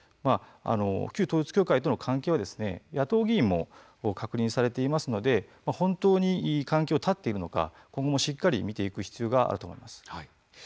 旧統一教会との関係は野党議員も確認されていますので本当に関係を断っているのか今後もしっかり見ていく必要があると思います。